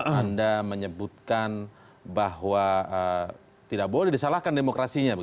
anda menyebutkan bahwa tidak boleh disalahkan demokrasinya